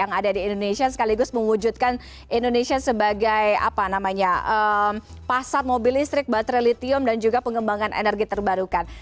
yang ada di indonesia sekaligus mewujudkan indonesia sebagai pasar mobil listrik baterai litium dan juga pengembangan energi terbarukan